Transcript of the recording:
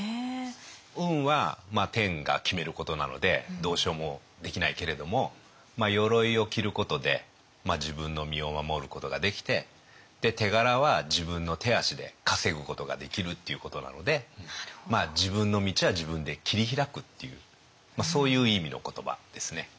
運は天が決めることなのでどうしようもできないけれども鎧を着ることで自分の身を守ることができて手柄は自分の手足で稼ぐことができるっていうことなので自分の道は自分で切り開くっていうそういう意味の言葉ですね。